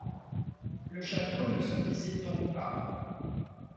Le château ne se visite donc pas.